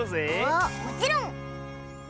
おっもちろん！